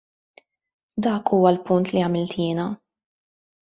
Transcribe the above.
Dak huwa l-punt li għamilt jiena.